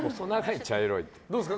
どうですか？